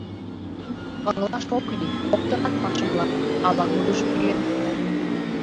Ыҥлаш ок лий: коктынат пашымлат — ала-кудыжо лӱен...